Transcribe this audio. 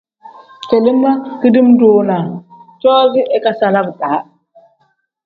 Kele ma kidiim-ro na coozi ikasala bidaa.